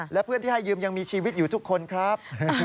และเพื่อนที่ให้ยืมยังมีชีวิตอยู่ทุกคนครับ